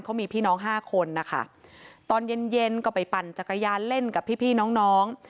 เขามีพี่น้องห้าคนนะคะตอนเย็นเย็นก็ไปปั่นจักรยานเล่นกับพี่น้องน้อง